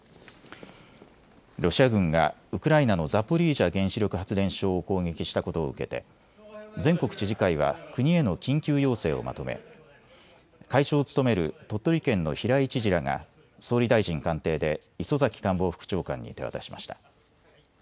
ロシア軍がウクライナのザポリージャ原子力発電所を攻撃したことを受けて全国知事会は国への緊急要請をまとめ、会長を務める鳥取県の平井知事らが総理大臣官邸で磯崎官房副長官に手渡しました。